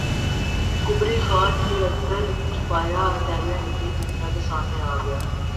کبری خان کے اندر چھپا یہ ٹیلنٹ بھی دنیا کے سامنے گیا